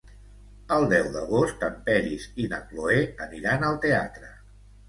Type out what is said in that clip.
El deu d'agost en Peris i na Cloè aniran al teatre.